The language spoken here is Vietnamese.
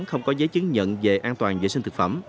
không có giấy chứng nhận về an toàn vệ sinh thực phẩm